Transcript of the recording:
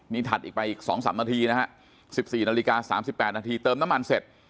นี่ถัดอีกไปอีก๒๓นาทีนะฮะ๑๔นาฬิกา๓๘นาทีเติมน้ำมันเสร็จ